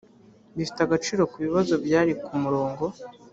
bifite agaciro ku bibazo byari ku murongo